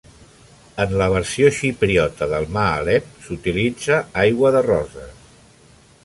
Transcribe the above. En la versió xipriota del "mahaleb" s'utilitza aigua de roses.